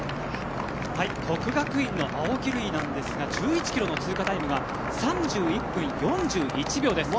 國學院の青木瑠郁なんですが１１ｋｍの通過タイムが３１分４１秒です。